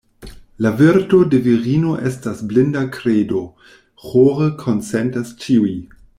La virto de virino estas blinda kredo, ĥore konsentas ĉiuj.